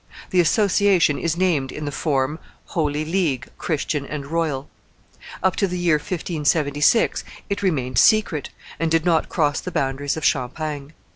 The association is named, in the form, Holy League, Christian and royal. Up to the year 1576 it remained secret, and did not cross the boundaries of Champagne."